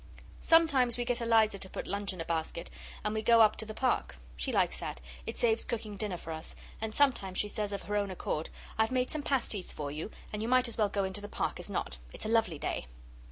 Sometimes we get Eliza to put lunch in a basket, and we go up to the Park. She likes that it saves cooking dinner for us; and sometimes she says of her own accord, 'I've made some pasties for you, and you might as well go into the Park as not. It's a lovely day.